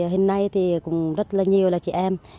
hôm nay cũng rất nhiều chị em